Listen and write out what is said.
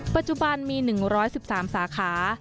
ปัจจุบันมี๑๑๓สาขา